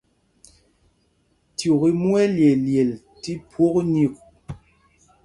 Cyûk i mu malyeelyel tí phwok nyik.